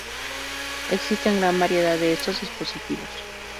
Existe gran variedad de estos dispositivos.